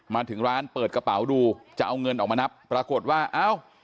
มาถึงร้านเปิดกระเป๋าดูจะเอาเงินออกมานับปรากฏว่าเอ้า